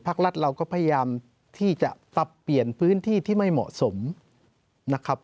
รัฐเราก็พยายามที่จะปรับเปลี่ยนพื้นที่ที่ไม่เหมาะสมนะครับ